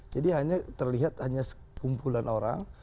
jadi hanya terlihat hanya sekumpulan orang